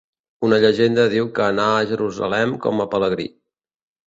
Una llegenda diu que anà a Jerusalem com a pelegrí.